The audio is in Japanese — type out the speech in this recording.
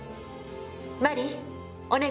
マリーお願い。